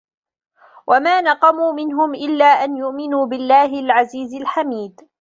وَما نَقَموا مِنهُم إِلّا أَن يُؤمِنوا بِاللَّهِ العَزيزِ الحَميدِ